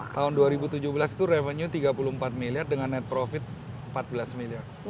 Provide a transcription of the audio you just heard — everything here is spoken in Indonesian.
tahun dua ribu tujuh belas itu revenue tiga puluh empat miliar dengan net profit empat belas miliar